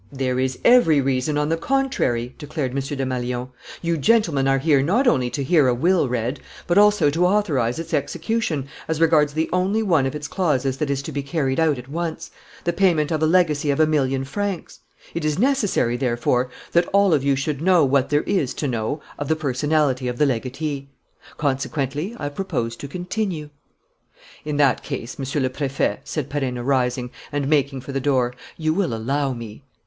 "There is every reason, on the contrary," declared M. Desmalions. "You gentlemen are here not only to hear a will read, but also to authorize its execution as regards the only one of its clauses that is to be carried out at once, the payment of a legacy of a million francs. It is necessary, therefore, that all of you should know what there is to know of the personality of the legatee. Consequently, I propose to continue ..." "In that case, Monsieur le Préfet," said Perenna, rising and making for the door, "you will allow me